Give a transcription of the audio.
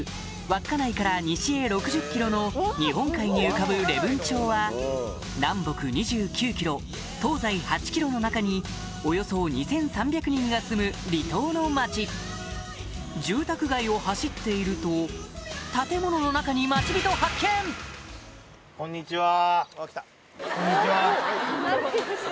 稚内から西へ６０ｋｍの日本海に浮かぶ礼文町は南北２９ｋｍ東西８ｋｍの中におよそ２３００人が住む離島の町住宅街を走っていると建物の中にこんにちは。